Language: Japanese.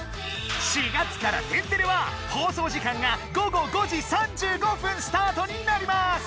４月から「天てれ」は放送時間が午後５時３５分スタートになります！